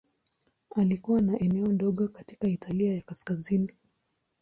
Alikuwa na eneo dogo katika Italia ya Kaskazini.